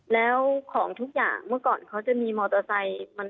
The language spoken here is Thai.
แล้วของทุกอย่างเมื่อก่อนเขาจะมีมอเตอร์ไซค์